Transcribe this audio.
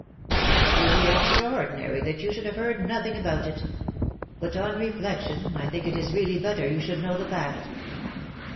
It is really extraordinary that you should have heard nothing about it ; but^ on reflection,, I think it is really better you should know the fact.